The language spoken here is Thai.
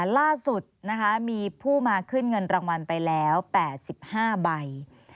ล่าสุดมีผู้มาขึ้นเงินรางวัลไปแล้ว๘๕ใบ